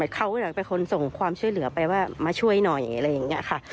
เขาเป็นคนส่งความช่วยเหลือไปว่ามาช่วยหน่อยอะไรอย่างนี้ค่ะ